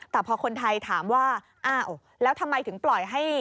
แต่พอคนไทยถามว่าอ้าวแล้วทำไมถึงปล่อยให้